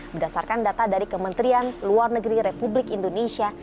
berdasarkan data dari kementerian luar negeri republik indonesia